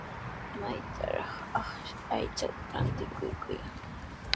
¿Maytrawraq aychata rantikuyan?